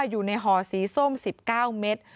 อยู่ในห่อสีส้ม๑๙เมตร